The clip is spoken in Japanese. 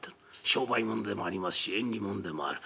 商売もんでもありますし縁起もんでもある。